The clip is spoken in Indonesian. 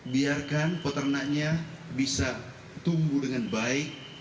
biarkan peternaknya bisa tumbuh dengan baik